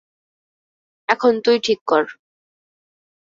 এখন তুই ঠিক কর।